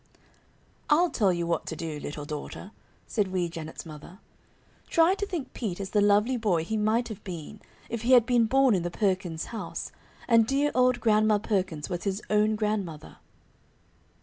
"I'll tell you what to do, little daughter," said Wee Janet's mother. "Try to think Pete is the lovely boy he might have been if he had been born in the Perkins' house, and dear old Grandma Perkins was his own grandmother."